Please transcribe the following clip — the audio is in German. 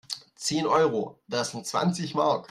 Zehn Euro? Das sind zwanzig Mark!